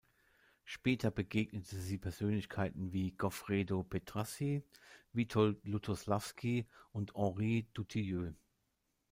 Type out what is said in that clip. Später begegnete sie Persönlichkeiten wie Goffredo Petrassi, Witold Lutosławski und Henri Dutilleux.